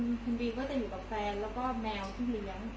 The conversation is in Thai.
ปฏิบัติคุณปีมก็จะอยู่กับแฟนแล้วกับแมวขึ้นเหรอยังณ